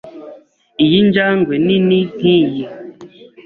Iyi njangwe nini nkiyi.